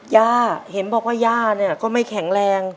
ย่าเห็นบอกว่าย่าเนี่ยก็ไม่แข็งแรง